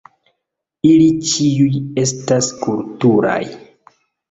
Ili ĉiuj estas kulturaj.